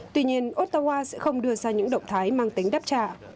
tuy nhiên ottawa sẽ không đưa ra những động thái mang tính đáp trả